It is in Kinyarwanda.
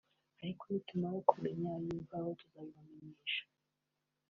ariko nitumara kuyamenya y’imvaho tuzabibamenyesha